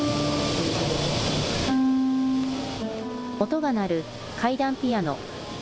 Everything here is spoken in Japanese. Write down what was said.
音が鳴る階段ピアノ。